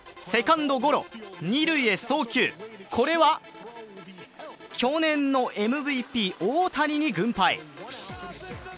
セカンドゴロ、二塁へ送球、これは去年のＭＶＰ大谷に軍配。